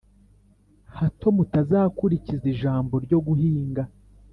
hato mutazakurikiza ijambo ryo guhinga,